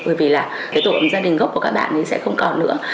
bởi vì là cái tổ gia đình gốc của các bạn ấy sẽ không còn nữa